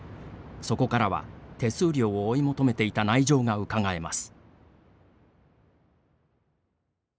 そこからは、手数料を追い求めていた内情がうかがえます。